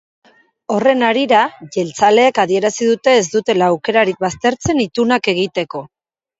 Horren harira, jeltzaleek adierazi dute ez dutela aukerarik baztertzen itunak egiteko.